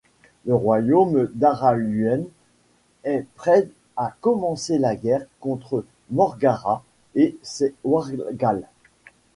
Le royaume d’Araluen est prêt à commencer la guerre contre Morgarath et ses Wargals.